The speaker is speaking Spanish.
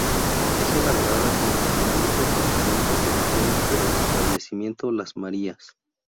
Es elaborada en las provincias de Corrientes y Misiones por el Establecimiento Las Marías.